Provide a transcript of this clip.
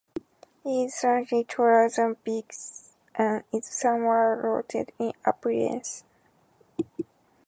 He is slightly taller than Vic and is somewhat rotund in appearance.